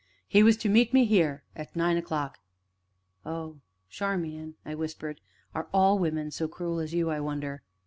"He was to meet me here at nine o'clock." "Oh, Charmian," I whispered, "are all women so cruel as you, I wonder?"